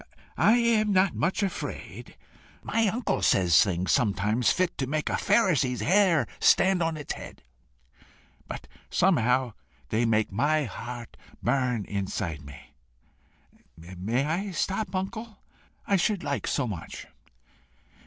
"I am not much afraid. My uncle says things sometimes fit to make a Pharisee's hair stand on his head, but somehow they make my heart burn inside me. May I stop, uncle? I should like so much!"